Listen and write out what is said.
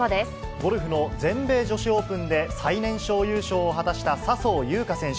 ゴルフの全米女子オープンで最年少優勝を果たした笹生優花選手。